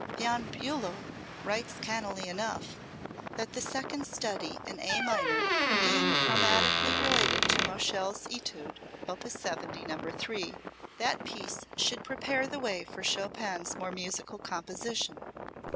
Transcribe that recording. Von Bulow writes cannily enough, that the second study in A minor being chromatically related to Moscheles' etude, op. 70, No. 3, that piece should prepare the way for Chopin's more musical composition.